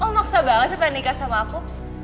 oh maksa banget si pernikah sama aku